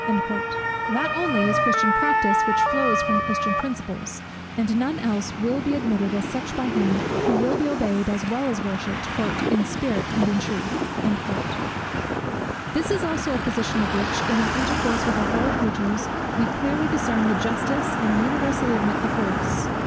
That only is Christian practice, which flows from Christian principles; and none else will be admitted as such by Him, who will be obeyed as well as worshipped "in spirit and in truth." This also is a position of which, in our intercourse with our fellow creatures, we clearly discern the justice, and universally admit the force.